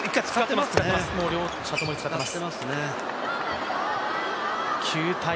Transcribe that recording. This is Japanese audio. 両者とも使っています。